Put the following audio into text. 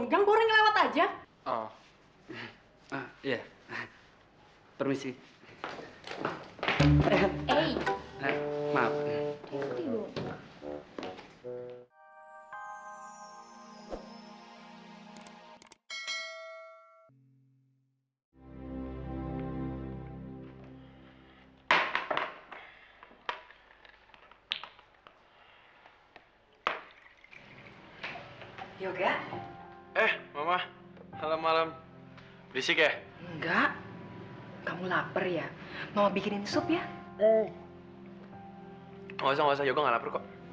gak usah gak usah gue gak lapar kok